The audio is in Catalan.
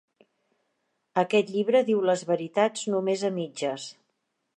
Aquest llibre diu les veritats només a mitges.